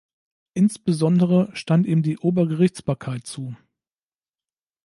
Insbesondere stand ihm die Obergerichtsbarkeit zu.